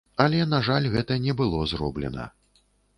Але, на жаль, гэта не было зроблена.